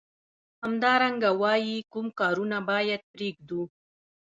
همدارنګه وايي کوم کارونه باید پریږدو.